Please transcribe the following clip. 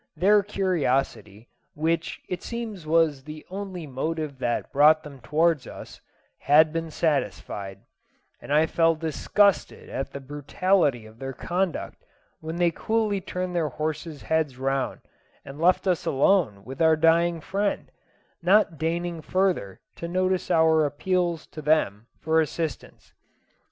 Their curiosity, which it seems was the only motive that brought them towards us, had been satisfied, and I felt disgusted at the brutality of their conduct when they coolly turned their horses' heads round, and left us alone with our dying friend, not deigning further to notice our appeals to them for assistance.